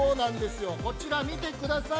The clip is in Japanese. ◆こちら見てください。